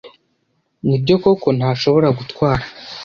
Nibyo koko ntashobora gutwara?